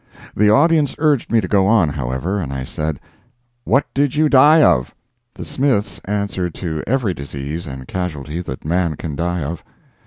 The audience urged me to go on, however, and I said: "What did you die of?" The Smiths answered to every disease and casualty that man can die of.